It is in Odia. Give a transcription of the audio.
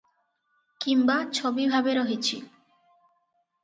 କିମ୍ବା ଛବି ଭାବେ ରହିଛି ।